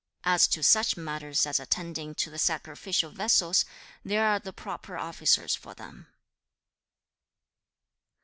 As to such matters as attending to the sacrificial vessels, there are the proper officers for them.'